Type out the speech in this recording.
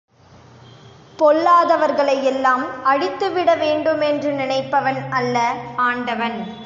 பொல்லாதவர்களை எல்லாம் அழித்துவிட வேண்டுமென்று நினைப்பவன் அல்ல ஆண்டவன்.